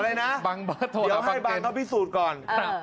อะไรนะเดี๋ยวให้บางเขาพิสูจน์ก่อน